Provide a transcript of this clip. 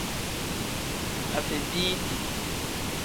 Afebiiti.